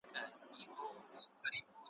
ستا چي ډکه پیمانه ده هم تیریږ ي